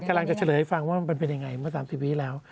กำลังจะเฉลยให้ฟังว่ามันเป็นยังไงเมื่อ๓๐ปีแล้ว